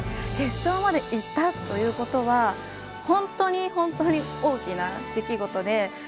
決勝まで行ったということは本当に本当に大きな出来事で。